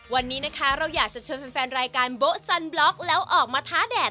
วันนี้นะคะเราอยากจะชวนแฟนรายการโบ๊สันบล็อกแล้วออกมาท้าแดด